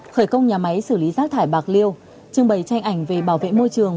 khởi công nhà máy xử lý rác thải bạc liêu trưng bày tranh ảnh về bảo vệ môi trường